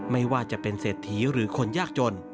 ไม่ว่าจะเป็นเศรษฐีหรือคนยากจน